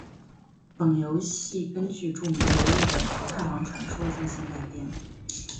本游戏根据著名的日本桃太郎传说进行改编。